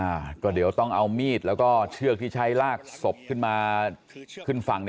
อะก็เดี๋ยวต้องเอามีดเชือกที่ใช้ลากส่กขึ้นมาคึ้นฝั่ง